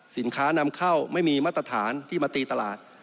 นำเข้าไม่มีมาตรฐานที่มาตีตลาด